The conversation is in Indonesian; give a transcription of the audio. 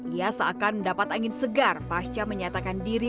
ia seakan mendapat angin segar pasca menyatakan diri